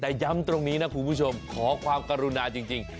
แต่ย้ำตรงนี้นะคุณผู้ชมขอความกรุณาจริง